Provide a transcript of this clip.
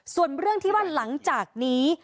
ส่วนเรื่องที่ว่าหลังจากนี้